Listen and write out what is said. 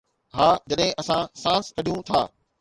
ها، جڏهن اسان سانس ڪڍيون ٿا